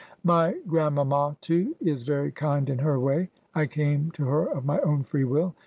My grandmamma, too, is very kind in her way. I came to her of my own free will.